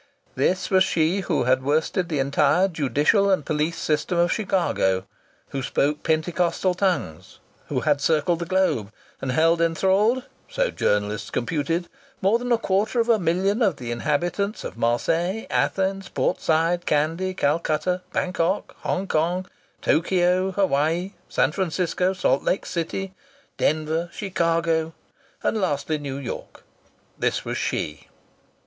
This was she who had worsted the entire judicial and police system of Chicago, who spoke pentecostal tongues, who had circled the globe, and held enthralled so journalists computed more than a quarter of a million of the inhabitants of Marseilles, Athens, Port Said, Candy, Calcutta, Bangkok, Hong Kong, Tokyo, Hawaii, San Francisco, Salt Lake City, Denver, Chicago, and lastly, New York! This was she!